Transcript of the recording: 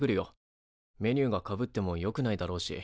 メニューがかぶってもよくないだろうし。